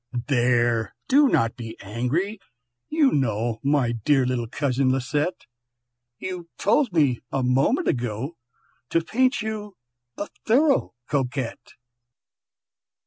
"There, do not be angry! you know, My dear little cousin Lisette, You told me a moment ago To paint you a thorough Coquette!"